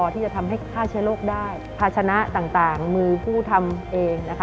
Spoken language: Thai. ที่จะทำให้ฆ่าเชื้อโรคได้ภาชนะต่างมือผู้ทำเองนะคะ